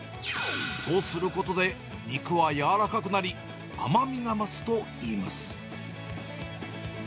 そうすることで、肉は柔らかくなり、甘みが増すといいます。